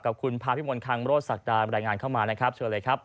กับคุณพาพิมลคังโรศักดาบรายงานเข้ามานะครับเชิญเลยครับ